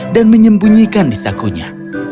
dan menyembunyikan disakunya